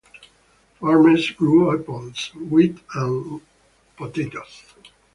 Farmers grew apples, wheat, hay and potatoes.